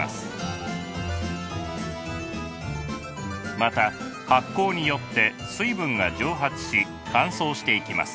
また発酵によって水分が蒸発し乾燥していきます。